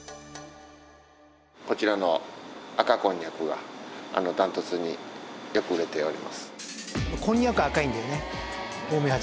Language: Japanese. こちらの赤こんにゃくが断トツによく売れております。